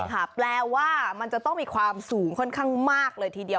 แปลว่ามันจะต้องมีความสูงค่อนข้างมากเลยทีเดียว